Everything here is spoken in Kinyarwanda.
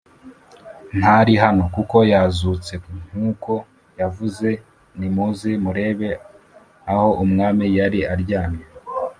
ntari hano; kuko yazutse nk’uko yavuze nimuze murebe aho umwami yari aryamye